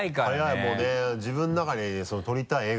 もうね自分の中に撮りたい絵が。